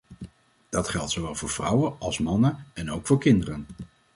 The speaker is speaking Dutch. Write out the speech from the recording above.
Dat geldt zowel voor vrouwen als mannen, en ook voor kinderen.